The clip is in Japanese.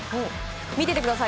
見ててください。